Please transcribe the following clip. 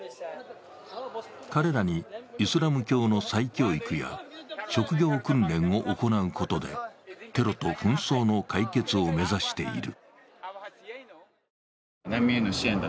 彼らにイスラム教の再教育や職業訓練を行うこめでテロと紛争の解決を目指している。